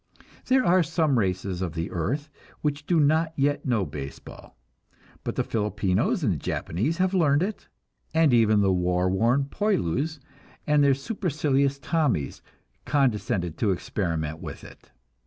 There are some races of the earth which do not yet know baseball, but the Filipinos and the Japanese have learned it, and even the war worn "Poilus" and the supercilious "Tommies" condescended to experiment with it.